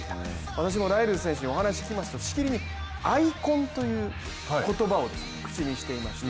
私もライルズ選手にお話を聞きますとしきりにアイコンという言葉を口にしていました。